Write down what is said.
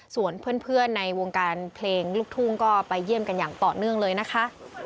ส่วนเพื่อนในวงการเพลงลูกทุ่งก็ไปเยี่ยมกันอย่างต่อเนื่องเลยนะคะ